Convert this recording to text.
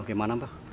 oke mana pak